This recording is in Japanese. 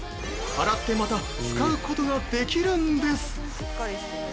洗ってまた使うことができるんです。